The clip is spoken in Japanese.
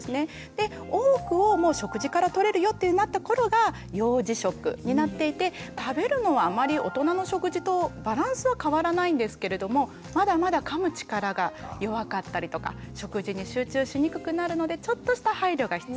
で多くをもう食事からとれるよってなった頃が幼児食になっていて食べるのはあまり大人の食事とバランスは変わらないんですけれどもまだまだかむ力が弱かったりとか食事に集中しにくくなるのでちょっとした配慮が必要。